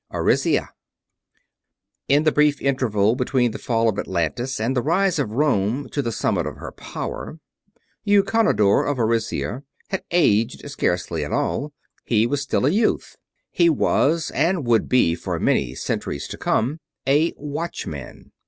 2. ARISIA In the brief interval between the fall of Atlantis and the rise of Rome to the summit of her power, Eukonidor of Arisia had aged scarcely at all. He was still a youth. He was, and would be for many centuries to come, a Watchman.